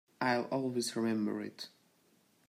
I'll always remember it.